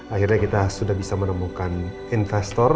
akhirnya kita sudah bisa menemukan investor